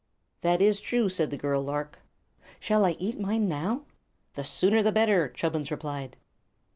"That is true," said the girl lark. "Shall I eat mine now?" "The sooner the better," Chubbins replied.